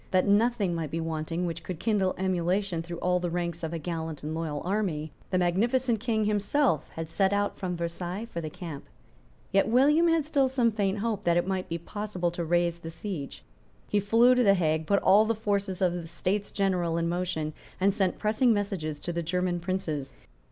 That nothing might be wanting which could kindle emulation through all the ranks of a gallant and loyal army, the magnificent King himself had set out from Versailles for the camp. Yet William had still some faint hope that it might be possible to raise the siege. He flew to the Hague, put all the forces of the States General in motion, and sent pressing messages to the German Princes.